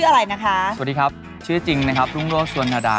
ทำไมไม่เอาดีทำให้ในโบ่งแบบสูงยาวเขาดี